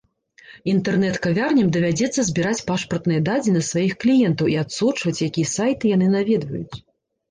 Інтэрнэт-кавярням давядзецца збіраць пашпартныя дадзеныя сваіх кліентаў і адсочваць, якія сайты яны наведваюць.